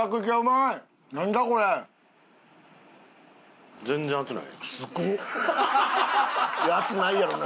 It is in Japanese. いや熱ないやろな。